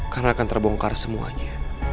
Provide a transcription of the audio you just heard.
karena akan terbongkar semuanya